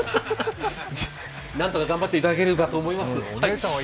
何とか頑張っていただけると思います。